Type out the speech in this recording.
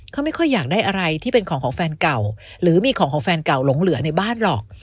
เขาไม่ค่อยอยากได้อะไรที่เป็นของของแฟนเก่าหรือมีของของแฟนเก่าหลงเหลือในบ้านหรอก